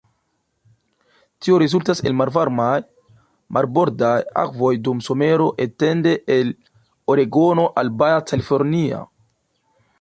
Tio rezultas en malvarmaj marbordaj akvoj dum somero, etende el Oregono al Baja California.